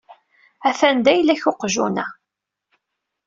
Atan d ayla-k uqjun-a.